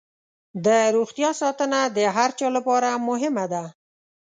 د روغتیا ساتنه د هر چا لپاره مهمه ده.